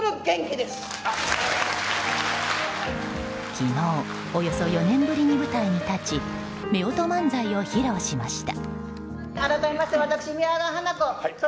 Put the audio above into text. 昨日、およそ４年ぶりに舞台に立ち夫婦漫才を披露しました。